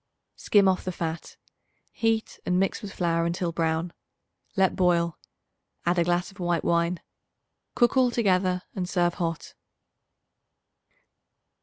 Skim off the fat; heat and mix with flour until brown; let boil. Add a glass of white wine. Cook all together and serve hot.